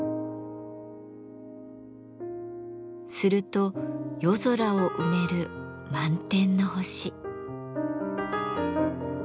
すると夜空を埋める満天の星。